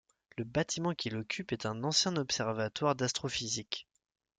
Le bâtiment qu'il occupe est un ancien observatoire d'astrophysique.